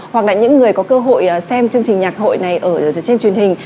hoặc là những người có cơ hội xem chương trình nhạc hội này ở trên truyền hình